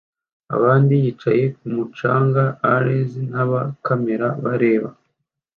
abandi yicaye kumu canga ers naba kamera bareba